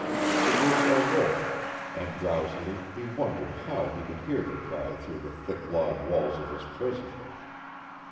It was a wolf, and drowsily he wondered how he could hear the cry through the thick log walls of his prison.